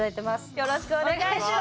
よろしくお願いします。